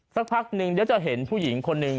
สักพักนึงเดี๋ยวจะเห็นผู้หญิงคนหนึ่ง